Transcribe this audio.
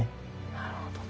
なるほど。